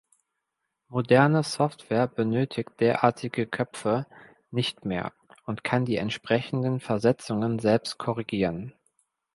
Moderne Software benötigt derartige Köpfe nicht mehr und kann die entsprechenden Versetzungen selbst korrigieren.